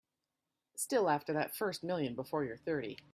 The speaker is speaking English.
Still after that first million before you're thirty.